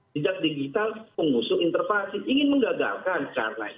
sejak digital pengusul interpelasi ingin menggagalkan karena